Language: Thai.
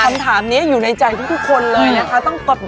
คำถามนี้อยู่ในใจทุกคนเลยนะคะ